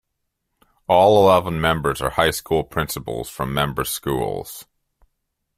All eleven members are high school principals from member schools.